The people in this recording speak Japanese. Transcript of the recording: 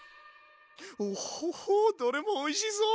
おほほどれもおいしそう！